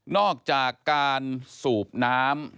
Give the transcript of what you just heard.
อกจากการสูบน้ำ